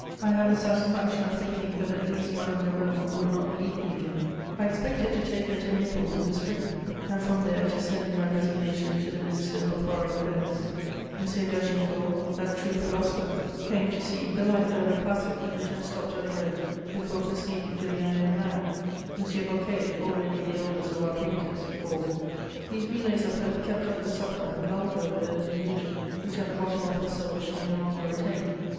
I had the satisfaction of thinking that at least Madame de Beaumont would not leave me again: I expected to take her to Naples in the spring, and from there to send in my resignation to the Minister for Foreign Affairs. M. d'Agincourt, that true philosopher, came to see the light bird of passage, which had stopped at Rome before proceeding to the unknown land; M. Boquet, already the oldest of our painters, called. These relays of hope kept up the sufferer, and lulled her with an illusion which at the bottom of her soul she no longer retained.